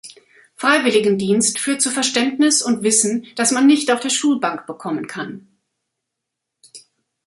Freiwilligendienst führt zu Verständnis und Wissen, das man nicht auf der Schulbank bekommen kann.